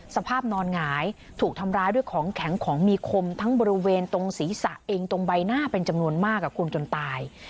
สภาพนอนหงายถูกทำร้ายด้วยของแข็งของมีคมทั้งบริเวณตรงศีรษะเองตรงใบหน้าเป็นจำนวนมากคุณจนตาย